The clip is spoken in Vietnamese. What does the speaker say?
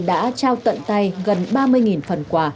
đã trao tận tay gần ba mươi phần quà